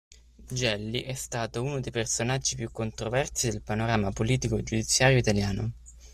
Gelli è stato uno dei personaggi più controversi del panorama politico-giudiziario italiano.